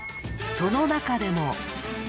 その中でも。